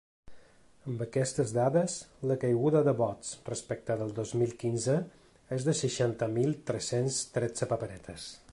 Amb aquestes dades, la caiguda de vots respecte del dos mil quinze és de seixanta mil tres-cents tretze paperetes.